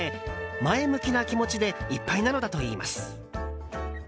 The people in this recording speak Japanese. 前向きな気持ちでいっぱいなのだといいます。